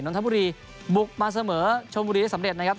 นทบุรีบุกมาเสมอชมบุรีได้สำเร็จนะครับ